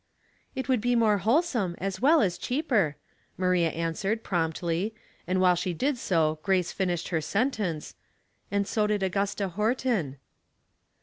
*'It would be more wholesome, as well aa cheap3r," Maria answered, promptly, and while she did so Grace finished her sentence, —" And so did Augusta Horton."